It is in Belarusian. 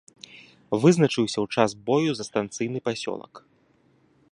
Вызначыўся ў час бою за станцыйны пасёлак.